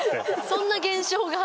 そんな現象が。